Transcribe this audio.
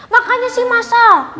makanya sih mas al